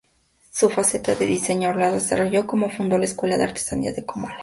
Su faceta de diseñador la desarrolló cuando fundó la Escuela de Artesanías de Comala.